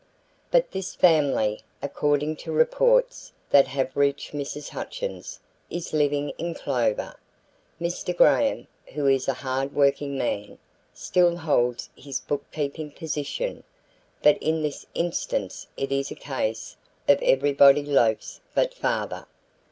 "But this family, according to reports that have reached Mrs. Hutchins, is living in clover. Mr. Graham, who is a hard working man, still holds his bookkeeping position, but in this instance it is a case of 'everybody loafs but father.'